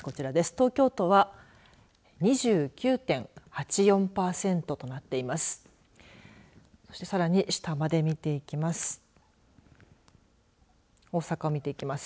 東京都は２９．８４パーセントとなっています。